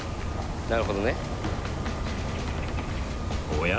なるほどね。おや？